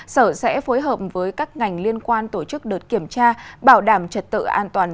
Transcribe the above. sở sẽ phối hợp với các ngành liên quan tổ chức đợt kiểm tra bảo đảm trật tự an toàn